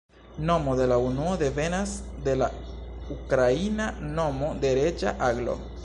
Nomo de la unuo devenas de la ukraina nomo de reĝa aglo.